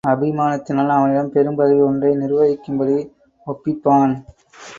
அபிமானத்தினால் அவனிடம் பெரும் பதவி ஒன்றை நிர்வகிக்கும்படி ஒப்பிப்பான்.